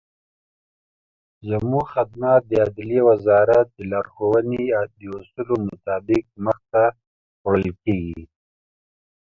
زموږخدمات دعدلیي وزارت دلارښووني او داصولو مطابق مخته وړل کیږي.